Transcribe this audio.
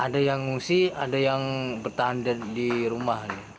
ada yang ngungsi ada yang bertahan di rumah